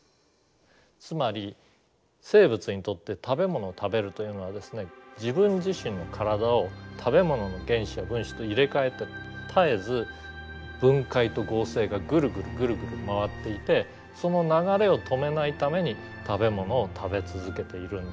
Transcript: つまり生物にとって食べ物を食べるというのはですね自分自身の体を食べ物の原子や分子と入れ替えて絶えず分解と合成がぐるぐるぐるぐる回っていてその流れを止めないために食べ物を食べ続けているんだ。